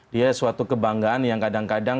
dia suatu kebanggaan yang kadang kadang